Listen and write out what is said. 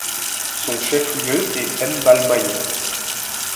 Son chef-lieu est Mbalmayo.